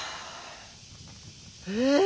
え！